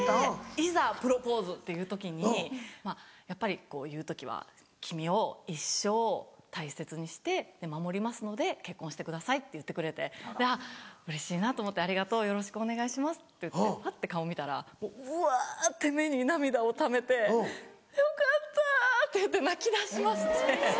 いざプロポーズっていう時にやっぱり言う時は「君を一生大切にして守りますので結婚してください」と言ってくれてあっうれしいなと思ってありがとうよろしくお願いしますって言ってパッて顔見たらぶわって目に涙をためて「よかった！」って言って泣きだしまして。